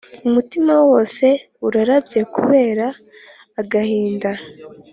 umutima wose urarabye kubera agahinda